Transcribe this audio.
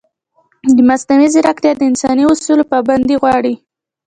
مصنوعي ځیرکتیا د انساني اصولو پابندي غواړي.